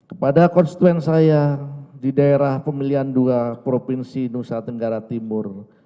kepada konstituen saya di daerah pemilihan dua provinsi nusa tenggara timur